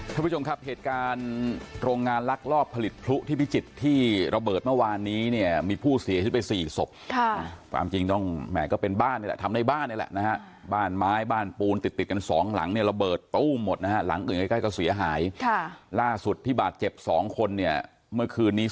ท่านผู้ชมครับเหตุการณ์โรงงานลักลอบผลิตพลุที่พิจิตรที่ระเบิดเมื่อวานนี้เนี่ยมีผู้เสียชีวิตไปสี่ศพค่ะความจริงต้องแหมก็เป็นบ้านนี่แหละทำในบ้านนี่แหละนะฮะบ้านไม้บ้านปูนติดติดกันสองหลังเนี่ยระเบิดตู้หมดนะฮะหลังอื่นใกล้ใกล้ก็เสียหายค่ะล่าสุดที่บาดเจ็บสองคนเนี่ยเมื่อคืนนี้